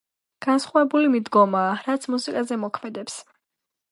განსხვავებული მიდგომაა, რაც მუსიკაზე მოქმედებს.